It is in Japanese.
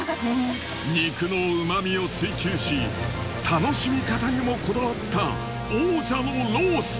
肉の旨味を追求し楽しみ方にもこだわった王者のロース！